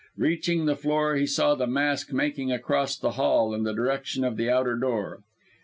Reaching the floor, he saw the mask making across the hall, in the direction of the outer door.